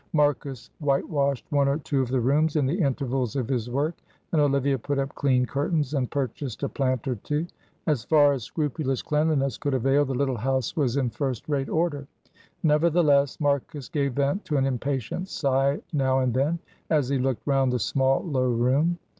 Marcus whitewashed one or two of the rooms in the intervals of his work, and Olivia put up clean curtains and purchased a plant or two. As far as scrupulous cleanliness could avail, the little house was in first rate order. Nevertheless Marcus gave vent to an impatient sigh now and then as he looked round the small, low room.